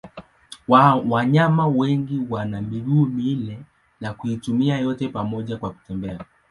Wanyama wengi wana miguu minne na kuitumia yote pamoja kwa kutembea.